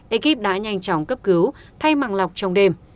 ekip đã nhanh chóng cấp cứu thay mặt lọc trong đêm